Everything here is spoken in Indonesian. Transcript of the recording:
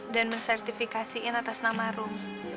dan mensertifikasiin atas nama rum